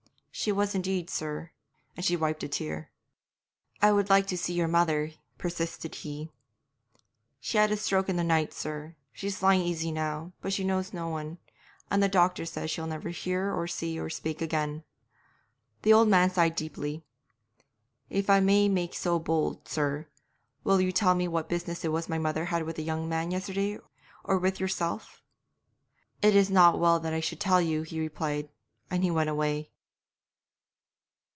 'She was indeed, sir,' and she wiped a tear. 'I would like to see your mother,' persisted he. 'She had a stroke in the night, sir; she's lying easy now, but she knows no one, and the doctor says she'll never hear or see or speak again.' The old man sighed deeply. 'If I may make so bold, sir, will you tell me what business it was my mother had with the young man yesterday or with yourself?' 'It is not well that I should tell you,' he replied, and he went away.